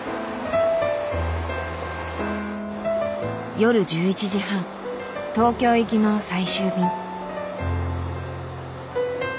夜１１時半東京行きの最終便。